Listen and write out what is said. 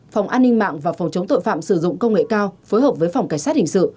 phòng an ninh mạng và phòng chống tội phạm sử dụng công nghệ cao phối hợp với phòng cảnh sát hình sự